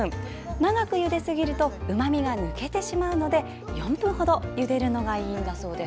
長くゆですぎるとうまみが抜けてしまうので４分程ゆでるのがいいんだそうです。